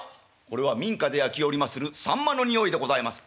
「これは民家で焼きおりまするさんまの匂いでございます」。